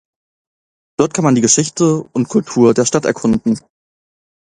Dort kann man die Geschichte und Kultur der Stadt erkunden.